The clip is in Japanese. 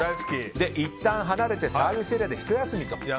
いったん離れてサービスエリアでひと休みと。